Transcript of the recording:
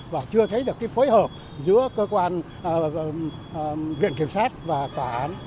và chưa thấy được cái phối hợp giữa cơ quan viện kiểm soát và tòa án